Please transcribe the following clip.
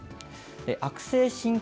悪性神経